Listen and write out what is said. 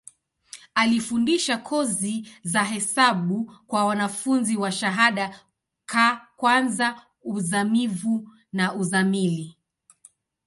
Alifundisha kozi za hesabu kwa wanafunzi wa shahada ka kwanza, uzamivu na uzamili.